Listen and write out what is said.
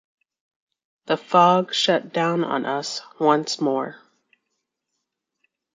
The fog shut down on us once more.